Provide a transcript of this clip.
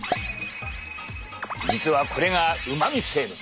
実はこれがうまみ成分。